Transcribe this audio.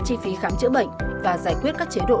chi phí khám chữa bệnh và giải quyết các chế độ